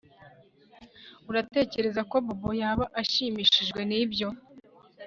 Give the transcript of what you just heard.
Uratekereza ko Bobo yaba ashimishijwe nibyo